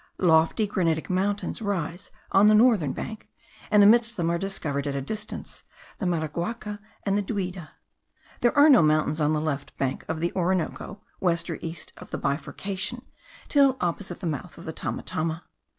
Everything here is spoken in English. Lofty granitic mountains rise on the northern bank; and amidst them are discovered at a distance the Maraguaca and the Duida. There are no mountains on the left bank of the Orinoco, west or east of the bifurcation, till opposite the mouth of the Tamatama.